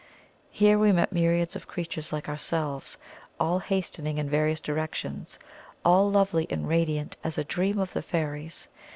Here we met myriads of creatures like ourselves, all hastening in various directions all lovely and radiant as a dream of the fairies.